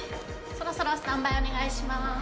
そろそろスタンバイお願いします。